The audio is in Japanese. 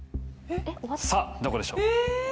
さあどこでしょう？